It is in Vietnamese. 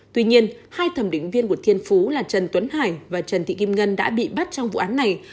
tuy nhiên hai thẩm định viên của thiên phú là trần tuấn hải và trần thị kim ngân đã bị bắt trong vụ án này